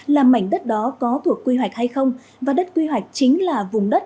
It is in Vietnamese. làm mảnh đất đó có thuộc quy hoạch hay không và đất quy hoạch chính là vùng đất